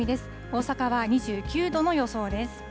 大阪は２９度の予想です。